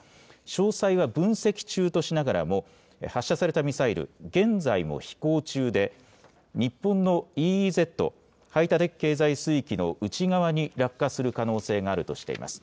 詳細は分析中としながらも発射されたミサイル現在も飛行中で日本のＥＥＺ・排他的経済水域の内側に落下する可能性があるとしています。